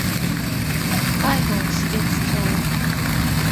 北海道標津町